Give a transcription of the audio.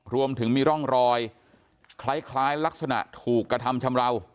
รวมถึงมีร่องรอยคล้ายลักษณะถูกกระทำชำราว